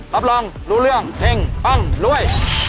รับรองรู้เรื่องเฮ่งปั้งรวย